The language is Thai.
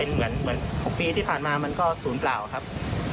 เหมือน๖ปีที่ผ่านมามันก็ศูนย์เปล่าครับ